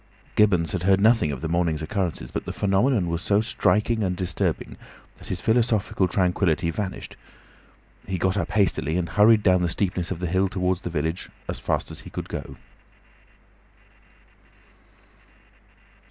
Gibbons had heard nothing of the morning's occurrences, but the phenomenon was so striking and disturbing that his philosophical tranquillity vanished; he got up hastily, and hurried down the steepness of the hill towards the village, as fast as he could go.